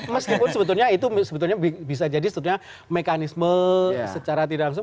meskipun sebetulnya itu sebetulnya bisa jadi sebetulnya mekanisme secara tidak langsung